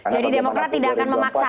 jadi demokrasi tidak akan memaksakan lah ya